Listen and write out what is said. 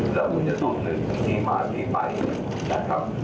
แล้วคุณจะต้องนึกที่มาที่ไปนะครับ